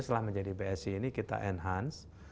setelah menjadi bsi ini kita enhance